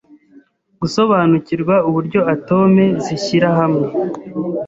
Gusobanukirwa uburyo atome zishyira hamwe